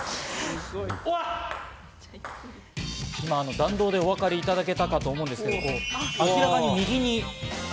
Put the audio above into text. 弾道でお分かりいただけたかと思うんですが、明らかに右に。